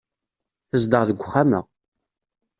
Tezdeɣ deg uxxam-a.